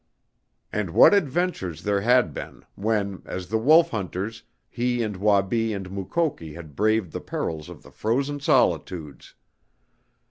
And what adventures there had been, when, as the Wolf Hunters, he and Wabi and Mukoki had braved the perils of the frozen solitudes!